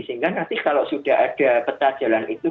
sehingga nanti kalau sudah ada peta jalan itu